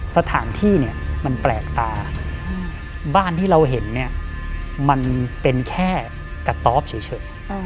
สถานที่มันแปลกตาบ้านที่เราเห็นมันเป็นแค่กระตอบเฉย